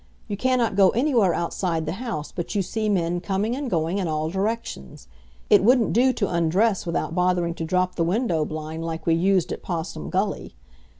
You cannot go anywhere outside the house but you see men coming and going in all directions. It wouldn't do to undress without bothering to drop the window blind like we used at Possum Gully.